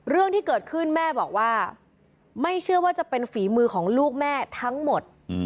เรื่องที่เกิดขึ้นแม่บอกว่าไม่เชื่อว่าจะเป็นฝีมือของลูกแม่ทั้งหมด